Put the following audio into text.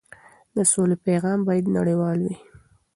د سولې پیغام باید نړیوال وي.